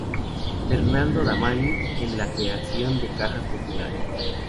Fernando Damiani en la creación de Cajas Populares.